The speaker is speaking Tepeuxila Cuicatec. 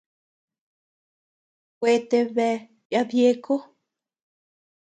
Kuete bea yadyéko.